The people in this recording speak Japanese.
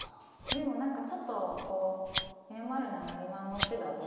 でも何かちょっと「謝るなら今のうちだぞ」